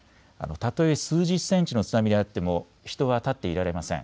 たとえ数十センチの津波であっても人は立っていられません。